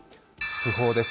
訃報です。